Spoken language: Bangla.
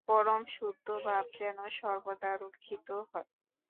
পরমশুদ্ধ ভাব যেন সর্বদা রক্ষিত হয়।